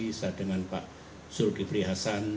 adalah saya dengan pak zulkifri hasan